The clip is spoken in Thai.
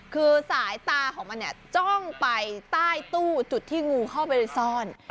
คือสายตาของมันเนี่ยจ้องไปใต้ตู้จุดที่งูเข้าไปซ่อน